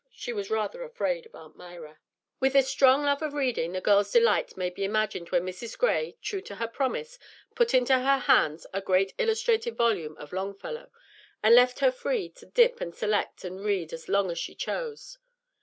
She was rather afraid of Aunt Myra. With this strong love of reading, the girl's delight may be imagined when Mrs. Gray, true to her promise, put into her hands a great illustrated volume of Longfellow, and left her free to dip and select and read as long as she chose.